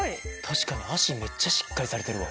確かに脚めっちゃしっかりされてるわ。